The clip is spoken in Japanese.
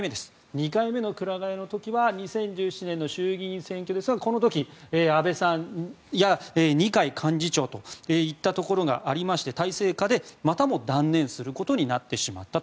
２回目のくら替えの時は２０１７年の衆議院選挙ですがこの時、安倍さんや二階幹事長といったところがありまして体制下でまたも断念することになってしまったと。